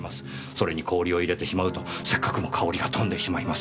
それに氷を入れてしまうとせっかくの香りが飛んでしまいます。